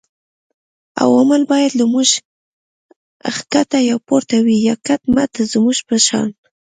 عوامل باید له موږ ښکته یا پورته وي یا کټ مټ زموږ په شان